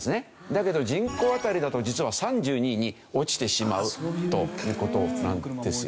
だけど人口当たりだと実は３２位に落ちてしまうという事なんですよ。